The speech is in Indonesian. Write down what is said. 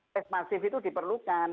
tes masif itu diperlukan